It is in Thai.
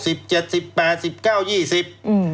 อืม